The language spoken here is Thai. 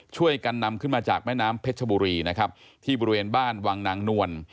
ช่วยกันนำขึ้นมาจากแม่น้ำเพชรบุรีนะครับที่บริเวณบ้านวังนางนวล